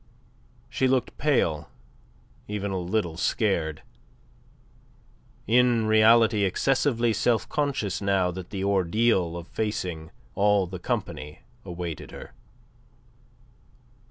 She looked pale, even a little scared in reality excessively self conscious now that the ordeal of facing all the company awaited her.